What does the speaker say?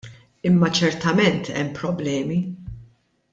Imma ċertament hemm problemi.